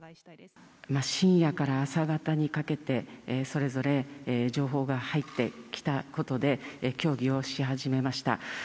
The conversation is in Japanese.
深夜から朝方にかけて、それぞれ情報が入ってきたことで、協議をし始めました。